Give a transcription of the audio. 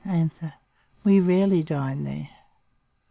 We rarely dine there.